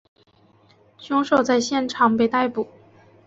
凶手在现场被逮捕。